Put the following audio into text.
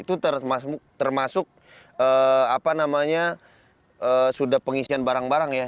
itu termasuk apa namanya sudah pengisian barang barang ya